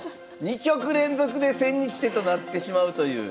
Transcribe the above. ２局連続で千日手となってしまうという。